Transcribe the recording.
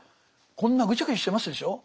こんなぐちゃぐちゃしてますでしょう